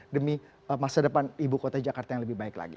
demi masa depan ibu kota jakarta yang lebih baik lagi